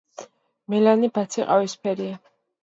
მელანი ბაცი ყავისფერია.